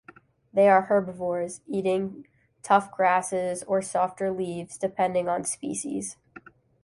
They are herbivores, eating tough grasses or softer leaves, depending on species.